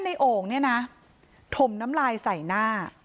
นายโอ่งเนี่ยนะ